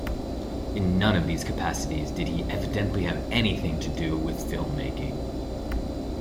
In none of these capacities did he evidently have anything to do with film-making.